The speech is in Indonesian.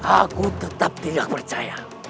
aku tetap tidak percaya